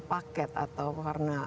paket atau karena